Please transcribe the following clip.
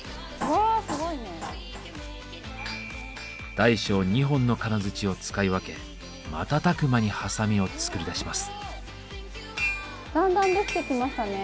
大小２本の金づちを使い分け瞬く間にハサミを作り出します。